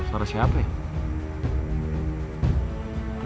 suara siapa ya